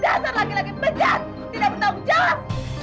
dasar laki laki pejat tidak bertanggung jawab